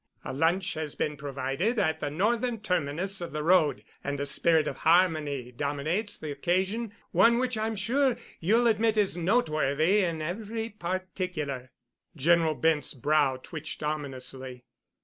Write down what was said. A lunch has been provided at the northern terminus of the road, and a spirit of harmony dominates the occasion—one which I'm sure you'll admit is noteworthy in every particular." General Bent's brow twitched ominously.